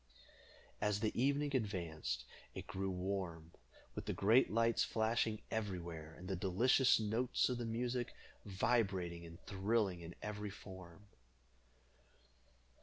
As the evening advanced, it grew warm, with the great lights flashing everywhere, and the delicious notes of the music vibrating and thrilling in every form.